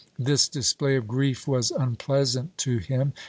This display of grief was unpleasant to him.